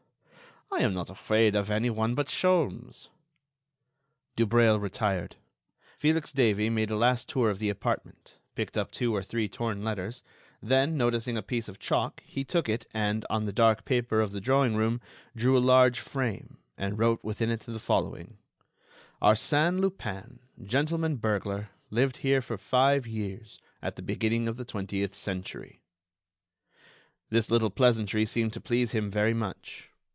I am not afraid of anyone but Sholmes." Dubreuil retired. Felix Davey made a last tour of the apartment, picked up two or three torn letters, then, noticing a piece of chalk, he took it and, on the dark paper of the drawing room, drew a large frame and wrote within it the following: "Arsène Lupin, gentleman burglar, lived here for five years at the beginning of the twentieth century." This little pleasantry seemed to please him very much.